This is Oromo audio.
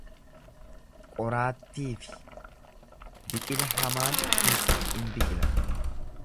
Qoraattii fi biqila hamaan keessatti in biqila.